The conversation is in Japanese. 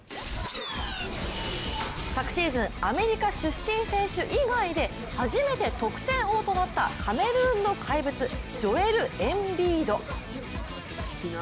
昨シーズン、アメリカ出身選手以外で初めて得点王となったカメルーンの怪物、ジョエル・エンビード。